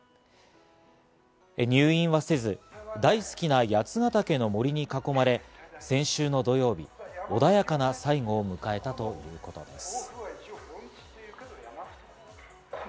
入院はせず、大好きな八ヶ岳の森に囲まれ、先週の土曜日、穏やかな最期を迎えたということです。